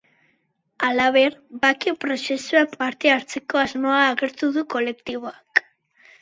Halaber, bake prozesuan parte hartzeko asmoa agertu du kolektiboak.